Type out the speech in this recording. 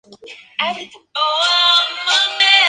Desde entonces pertenece a Medellín en calidad de corregimiento.